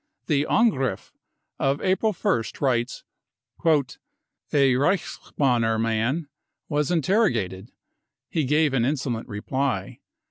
The Angrijf of April ist writes :~" A Reichsbanner man was interrogated ... he gave an insolent reply.